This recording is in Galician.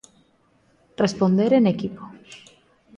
Responder en equipo.